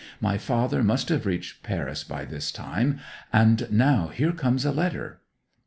My father must have reached Paris by this time; and now here comes a letter